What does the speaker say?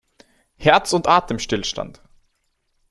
Herz- und Atemstillstand!